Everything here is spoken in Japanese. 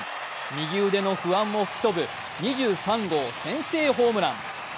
右腕の不安も吹き飛ぶ２３号先制ホームラン。